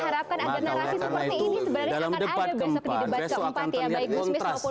maka oleh karena itu